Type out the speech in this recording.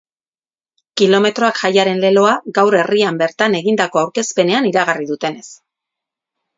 Kilometroak jaiaren leloa, gaur herrian bertan egindako aurkezpenean iragarri dutenez.